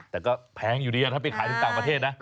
แต่ก็แพงอยู่ดีถ้าไปขายถึงต่างประเทศนะ